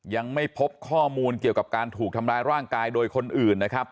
ยังไม่พบข้อมูลเกี่ยวกับการถูกทำร้ายร่างกายโดยคนอื่นนะครับ